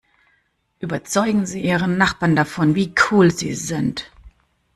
Überzeugen Sie Ihren Nachbarn davon, wie cool Sie sind!